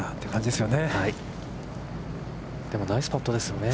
でも、ナイスパットですよね。